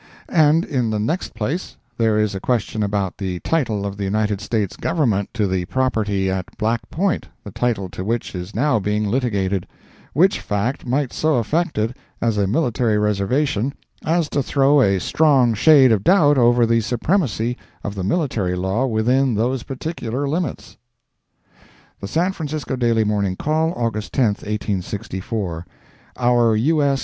And in the next place, there is a question about the title of the United States Government to the property at Black Point, the title to which is now being litigated, which fact might so affect it as a military reservation as to throw a strong shade of doubt over the supremacy of the military law within those particular limits. The San Francisco Daily Morning Call, August 10, 1864 OUR U.S.